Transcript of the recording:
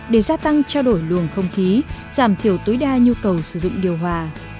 để gia tăng trao đổi luồng không khí giảm thiểu tối đa nhu cầu sử dụng điều hòa